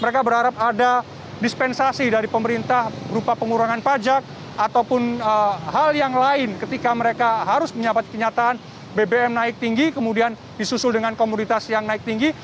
mereka berharap ada dispensasi dari pemerintah berupa pengurangan pajak ataupun hal yang lain ketika mereka harus menyapa kenyataan bbm naik tinggi kemudian disusul dengan komoditas yang naik tinggi